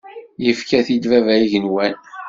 Yefka-t-id bab igenwan.